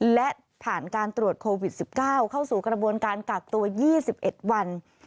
และผ่านการตรวจโควิด๑๙เข้าสู่กระบวนการกักตัว๒๑วัน